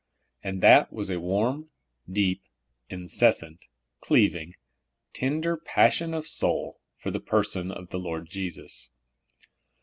21 and that was a warm, deep, incessant, cleaving, tender passion of soul for the person of the Lord Jesus.